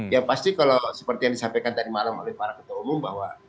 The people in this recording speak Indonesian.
ya pasti kalau seperti yang disampaikan tadi malam oleh para ketua umum bahwa